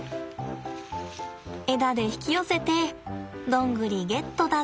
枝で引き寄せてドングリゲットだぜ。